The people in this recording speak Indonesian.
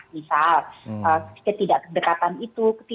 misal ketidak dekatan itu